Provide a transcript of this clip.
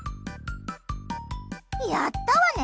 やったわね！